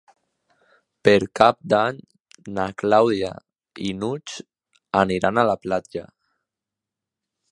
Per Cap d'Any na Clàudia i n'Hug aniran a la platja.